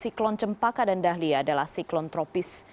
siklon cempaka dan dahlia adalah siklon tropis